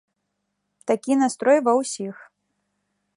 Такі настрой ва ўсіх.